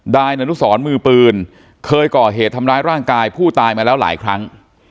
นายอนุสรมือปืนเคยก่อเหตุทำร้ายร่างกายผู้ตายมาแล้วหลายครั้ง